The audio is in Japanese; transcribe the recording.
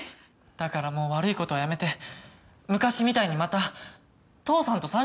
だからもう悪い事はやめて昔みたいにまた父さんと３人で暮らそうよ。